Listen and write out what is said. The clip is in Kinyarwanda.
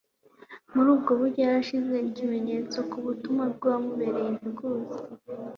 Muri ubwo buryo yari ashyize ikimenyetso ku butumwa bw'uwo wamubereye integuza.